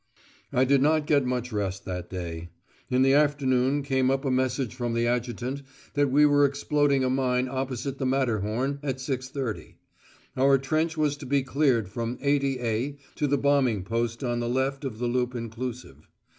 I did not get much rest that day. In the afternoon came up a message from the adjutant that we were exploding a mine opposite the Matterhorn at 6.30; our trench was to be cleared from 80 A to the bombing post on the left of the Loop inclusive.